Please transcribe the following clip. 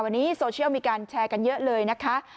วันนี้โซเชียลมีการแชร์กันเยอะเลยนะคะ